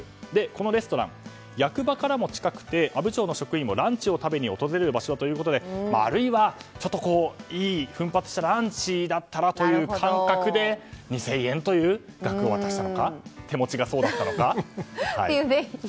このレストランは役場からも近く阿武町の職員もランチを食べに訪れる場所ということであるいは、いい奮発したランチだったらという感覚で２０００円という額を渡したのか手持ちがそうだったのか。